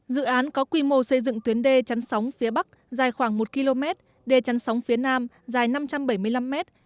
dự án có quy mô xây dựng tuyến đê chắn sóng phía bắc dài khoảng một km đê chắn sóng phía nam dài năm trăm bảy mươi năm mét